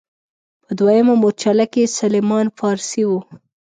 په دویمه مورچله کې سلمان فارسي و.